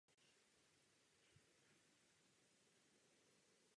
Následně se stala radní města.